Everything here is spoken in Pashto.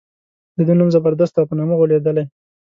د ده نوم زبردست دی او په نامه غولېدلی.